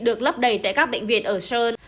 được lấp đầy tại các bệnh viện ở seoul